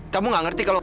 kamu gak ngerti kalau